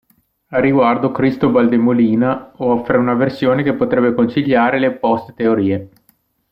Al riguardo Cristóbal de Molina offre una versione che potrebbe conciliare le opposte teorie.